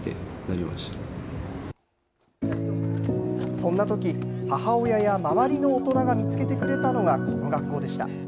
そんなとき母親や周りの大人が見つけてくれたのがこの学校でした。